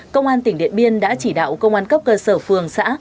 công an tỉnh điện biên đã chỉ đạo công an cấp cơ sở phường xã